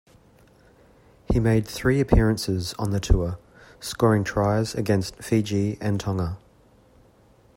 He made three appearances on the tour, scoring tries against Fiji and Tonga.